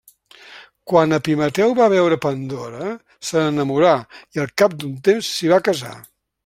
Quan Epimeteu va veure Pandora, se n'enamorà i al cap d'un temps s'hi va casar.